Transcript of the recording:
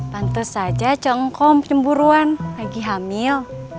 pantas saja congkom pemburu an lagi hamil